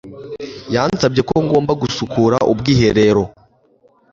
Yansabye ko ngomba gusukura ubwiherero.